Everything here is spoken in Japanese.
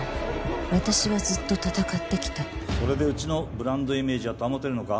私はずっと戦ってきたそれでうちのブランドイメージは保てるのか？